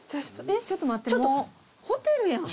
ちょっと待ってもうホテルやん。